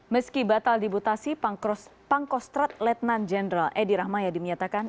meski batal dibutasi pangkostrat lieutenant general edi rahmaya dinyatakan